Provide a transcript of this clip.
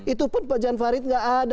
itu pun pak jan farid nggak ada